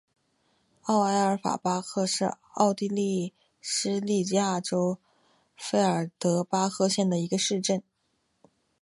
奥埃尔斯巴赫是奥地利施蒂利亚州费尔德巴赫县的一个市镇。